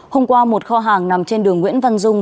hôm qua một kho hàng nằm trên đường nguyễn văn dung